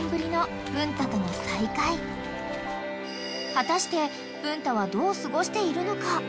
［果たして文太はどう過ごしているのか？］